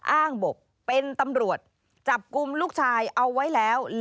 อ้างบอกเป็นตำรวจจับกลุ่มลูกชายเอาไว้แล้ว